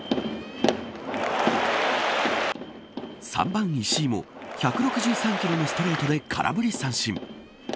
３番、石井も１６３キロのストレートで空振り三振。